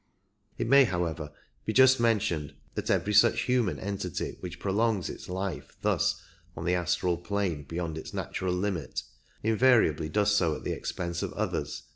It may, how ever, be just mentioned that every such human entity which prolongs its life thus on the astral plane beyond its natural limit invariably does so at the expense of others.